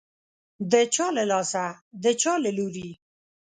د چا له لاسه، د چا له لوري